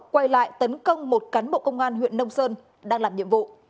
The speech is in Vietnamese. quay lại tấn công một cán bộ công an huyện nông sơn đang làm nhiệm vụ